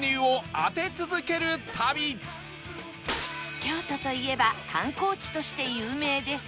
京都といえば観光地として有名ですが